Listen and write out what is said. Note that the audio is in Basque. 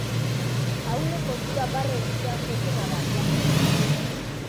Ahulen kontura barre egitea zekena da, jakina.